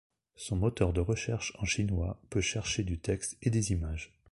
Son moteur de recherche en chinois peut chercher du texte et des images.